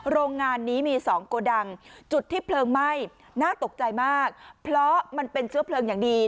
โรงงานนี้มีสองโกดังจุดที่เพลิงไหม้น่าตกใจมากเพราะมันเป็นเชื้อเพลิงอย่างดี